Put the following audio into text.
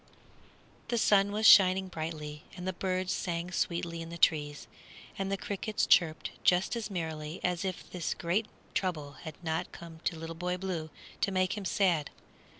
The sun was shining brightly, and the birds sang sweetly in the trees, and the crickets chirped just as merrily as if this great trouble had not come to Little Boy Blue to make him sad.